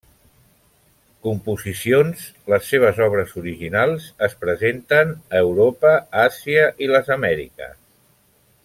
Composicions Les seves obres originals es presenten a Europa, Àsia i les Amèriques.